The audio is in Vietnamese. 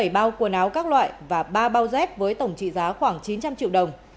bảy bao quần áo các loại và ba bao dép với tổng trị giá khoảng chín trăm linh triệu đồng